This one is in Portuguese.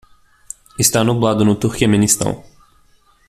está nublado no Turquemenistão